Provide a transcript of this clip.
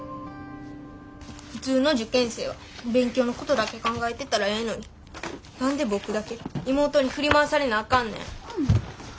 普通の受験生は勉強のことだけ考えてたらええのに何で僕だけ妹に振り回されなあかんねん。